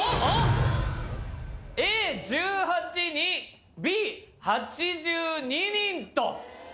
Ａ１８にＢ８２人と。